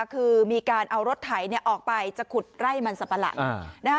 คือมีการเอารถไถออกไปจะขุดไร่มันสับปะหลัง